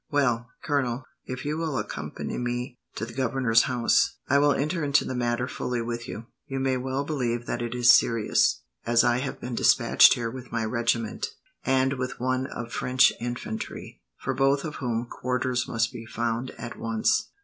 "Well, Colonel, if you will accompany me to the governor's house, I will enter into the matter fully with you. You may well believe that it is serious, as I have been despatched here with my regiment, and with one of French infantry, for both of whom quarters must be found at once."